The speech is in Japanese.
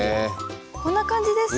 こんな感じですかね。